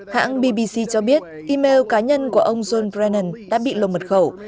hãng bbc cho biết email cá nhân của ông john brinan đã bị lộ mật khẩu